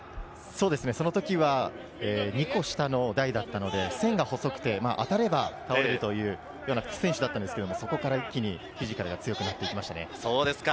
その時は２個下の代だったので、線が細くて、当たれば倒れるという選手だったんですけど、そこから一気にフィジカルが強くなっていきましたね。